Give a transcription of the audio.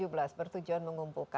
ekspedisi indonesia prima